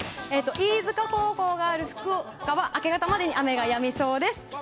飯塚高校がある福岡は明け方までに雨がやみそうです。